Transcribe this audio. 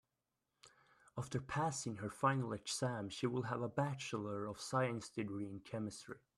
After passing her final exam she will have a bachelor of science degree in chemistry.